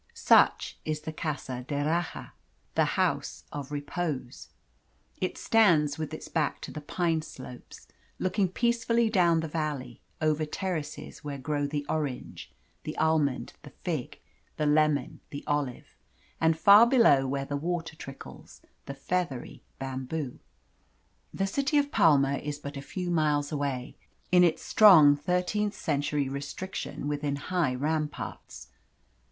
Such is the Casa d'Erraha the House of Repose. It stands with its back to the pine slopes, looking peacefully down the valley, over terraces where grow the orange, the almond, the fig, the lemon, the olive; and far below, where the water trickles, the feathery bamboo. The city of Palma is but a few miles away, in its strong thirteenth century restriction within high ramparts.